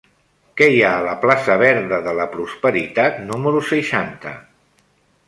Què hi ha a la plaça Verda de la Prosperitat número seixanta?